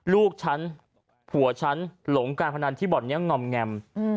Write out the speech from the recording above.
ลูกฉันผัวฉันหลงการขนาดที่บ่อนยังงอมแงมอืม